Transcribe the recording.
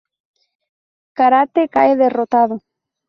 Karate cae derrotado.